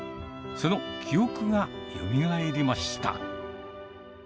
その記憶がよみがえりました。